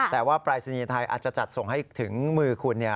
แต่ว่าปรายศนีย์ไทยอาจจะจัดส่งให้ถึงมือคุณ